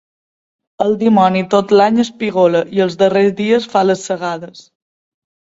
El dimoni tot l'any espigola i els darrers dies fa les segades.